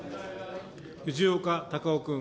藤岡隆雄君。